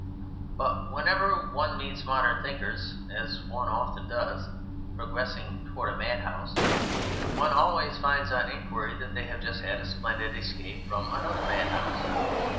But whenever one meets modern thinkers (as one often does) progressing towards a madhouse, one always finds, on inquiry, that they have just had a splendid escape from another madhouse.